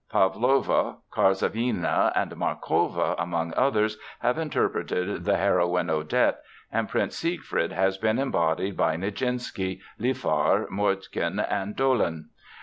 Pavlova, Karsavina, and Markova, among others, have interpreted the heroine Odette, and Prince Siegfried has been embodied by Nijinsky, Lifar, Mordkin, and Dolin.